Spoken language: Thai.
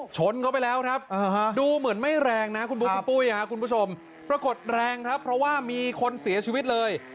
ชนเข้าไปแล้วครับดูเหมือนไม่แรงนะคุณบุ๊คคุณปุ้ยคุณผู้ชมปรากฏแรงครับเพราะว่ามีคนเสียชีวิตเลย